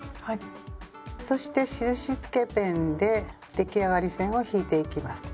そして印つけペンで出来上がり線を引いていきます。